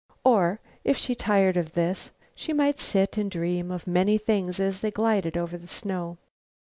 Or, if she tired of this, she might sit and dream of many things as they glided over the snow.